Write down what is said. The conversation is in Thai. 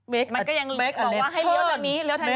มันก็ยังบอกว่าให้เลี้ยวด้านนี้เลี้ยวด้านนี้